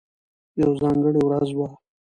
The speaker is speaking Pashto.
یوه ځانګړې ورځ وي،